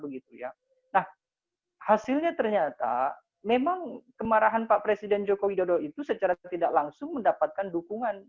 nah hasilnya ternyata memang kemarahan pak presiden joko widodo itu secara tidak langsung mendapatkan dukungan